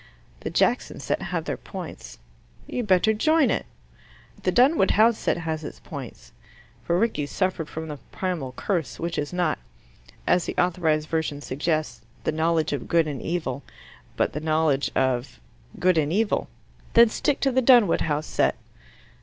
"The Jackson set have their points." "You'd better join it." "The Dunwood House set has its points." For Rickie suffered from the Primal Curse, which is not as the Authorized Version suggests the knowledge of good and evil, but the knowledge of good and evil. "Then stick to the Dunwood House set."